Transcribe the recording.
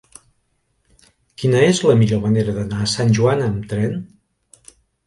Quina és la millor manera d'anar a Sant Joan amb tren?